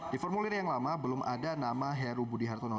di formulir yang lama belum ada nama heru budi hartono